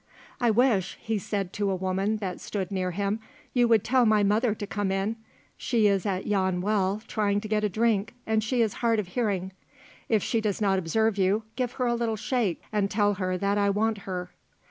"I wish," said he to a woman that stood near him, "you would tell my mother to come in; she is at yon well trying to get a drink, and she is hard of hearing; if she does not observe you, give her a little shake and tell her that I want her."